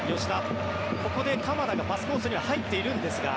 ここで鎌田がパスコースには入っているんですが。